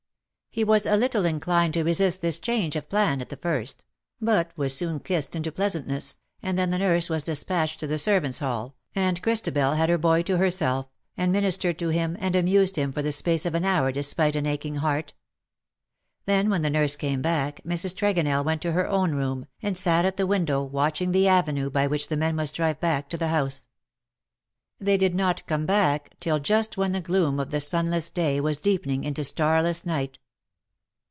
He was a little VOL. III. c 18 " WITH SUCH REMORSELESS SPEED inclined to resist this change of plan at the first, but was soon kissed into pleasantness, and then the nurse was despatched to the servants^ hall, and Christabel had her boy to herself, and ministered to him and amused him for the space of an hour despite an aching heart. Then, when the nurse came back, Mrs. Tregonell went to her own room, and sat at the window watching the avenue by which the men must drive back to the house. They did not come back till just when the gloom of the sunless day was deepening into starless night.